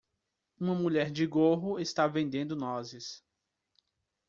Uma mulher de gorro está vendendo nozes.